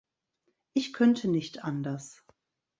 Ich könnte nicht anders.